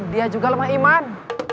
dia juga lemah iman